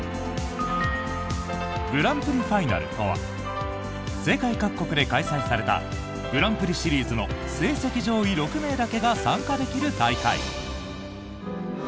グランプリファイナルとは世界各国で開催されたグランプリシリーズの成績上位６名だけが参加できる大会。